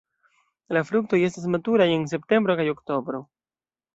La fruktoj estas maturaj en septembro kaj oktobro.